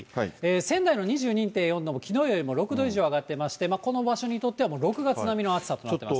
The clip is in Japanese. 仙台の２２．４度も、きのうよりも６度以上上がってまして、この場所にとってはもう６月並みの暑さとなっています。